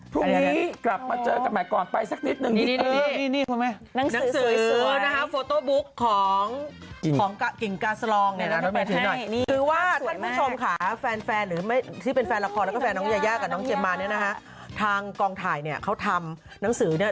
พรุ่งนี้กลับมาเจอกับใหม่ก่อนไปสักนิดหนึ่งดีเทอมนี่น้องสือส่วย